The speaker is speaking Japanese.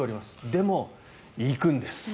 でも行くんです。